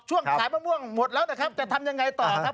ขายมะม่วงหมดแล้วนะครับจะทำยังไงต่อครับ